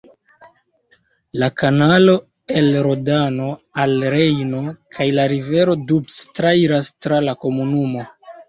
La kanalo el Rodano al Rejno kaj la rivero Doubs trairas tra la komunumo.